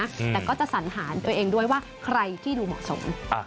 แต่ก็จะสันหารตัวเองด้วยว่าใครที่ดูเหมาะสมอ่า